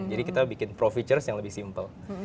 jadi kita bikin pro fitur yang lebih simple